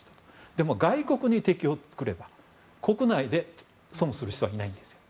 でも外国に敵を作れば国内で損する人はいないんです。